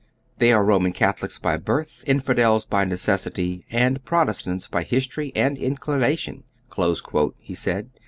They are Koman Catholics by birth, infidels by necessity, and Protestants by history and in clination," he said.